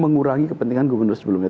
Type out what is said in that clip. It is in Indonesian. mengurangi kepentingan gubernur sebelumnya